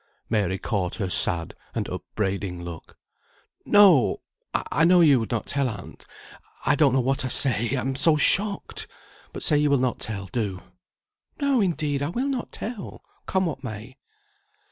Mary caught her sad and upbraiding look. "No! I know you would not tell, aunt. I don't know what I say, I am so shocked. But say you will not tell. Do." "No, indeed I will not tell, come what may."